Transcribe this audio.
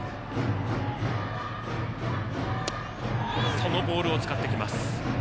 そのボールを使ってきます。